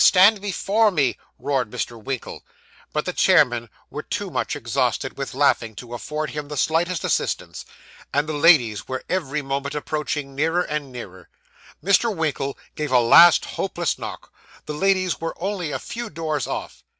Stand before me!' roared Mr. Winkle. But the chairmen were too much exhausted with laughing to afford him the slightest assistance, and the ladies were every moment approaching nearer and nearer. Mr. Winkle gave a last hopeless knock; the ladies were only a few doors off.